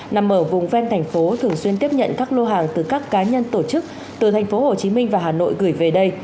nằm ở vùng ven thành phố thường xuyên tiếp nhận các lô hàng từ các cá nhân tổ chức từ thành phố hồ chí minh và hà nội gửi về đây